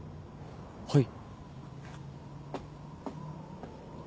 はい。